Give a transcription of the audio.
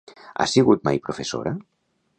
Ha sigut mai professora?